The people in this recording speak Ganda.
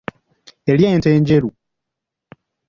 Ery'ente enjeru.